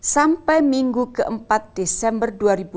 sampai minggu ke empat desember dua ribu dua puluh